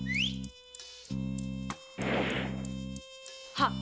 はっ。